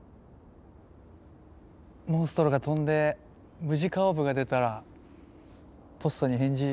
モンストロが飛んでムジカオーブが出たらポッソに返事